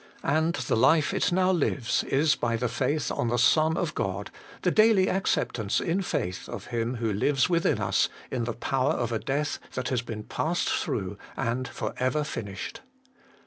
And the life it now lives is by the faith on the Son of God, the daily acceptance in faith of Him who lives within us in the power of a death that has been passed through and for ever finished.